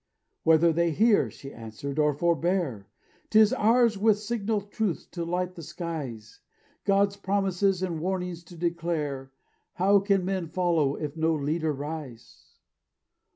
"Whether they hear," she answered, "or forbear, 'Tis ours with signal truths to light the skies; God's promises and warnings to declare; How can men follow if no leader rise?